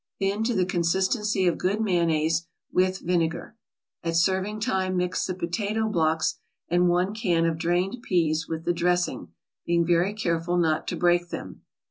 Thin to the consistency of good mayonnaise, with vinegar. At serving time mix the potato blocks and one can of drained peas with the dressing, being very careful not to break them.